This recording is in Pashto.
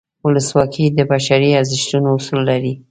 ولسواکي د بشري ارزښتونو اصول لري.